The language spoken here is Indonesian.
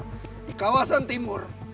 di kawasan timur